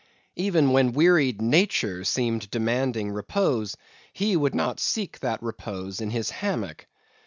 Even when wearied nature seemed demanding repose he would not seek that repose in his hammock.